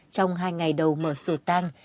trong hai ngày đầu mở sổ tang